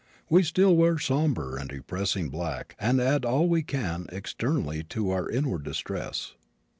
We still wear somber and depressing black and add all we can externally to our inward distress.